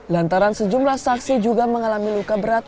lantaran sejumlah saksi juga mengalami luka berat